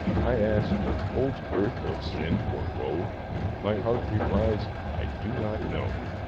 I ask, "Holds earth of sin, or woe?" My heart replies, "I do not know."